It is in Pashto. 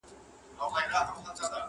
مندوشاه چي هم هوښیار هم پهلوان وو.!